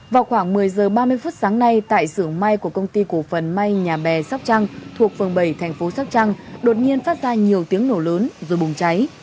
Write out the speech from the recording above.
vào khoảng một mươi h ba mươi phút sáng nay tại sưởng may của công ty cổ phần may nhà bè sóc trăng thuộc phường bảy thành phố sóc trăng đột nhiên phát ra nhiều tiếng nổ lớn rồi bùng cháy